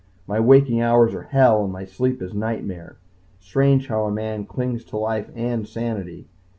My waking hours are hell and my sleep is nightmare. Strange how a man clings to life and sanity.